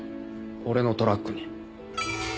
俺のトラックに。